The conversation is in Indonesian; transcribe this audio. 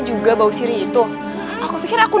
jualan mayatnya bisa jenguk